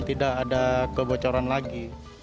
kita bisa mencari keamanan lagi